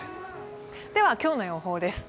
では今日の予報です。